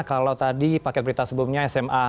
kalau tadi paket berita sebelumnya sma